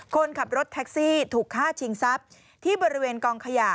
คนขับรถแท็กซี่ถูกฆ่าชิงทรัพย์ที่บริเวณกองขยะ